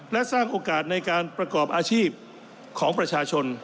และสร้างโอกาสในการประกอบอาชีพของประชาชน